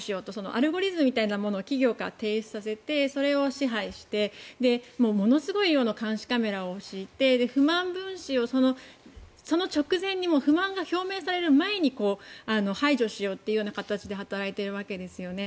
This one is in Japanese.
アルゴリズムというのを企業から提出させてそれを支配してものすごい量の監視カメラを敷いて不満分子を、その直前に不満が表明される前に排除しようという形で働いているわけですよね。